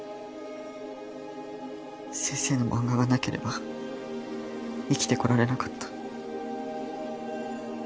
先生の漫画がなければ生きてこられなかった。